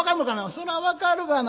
「そら分かるがな。